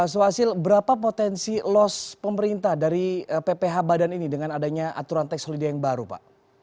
suhasil berapa potensi loss pemerintah dari pph badan ini dengan adanya aturan tax holiday yang baru pak